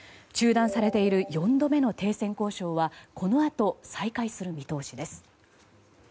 中断されている４度目の停戦交渉はこのあと、再開する見通しです。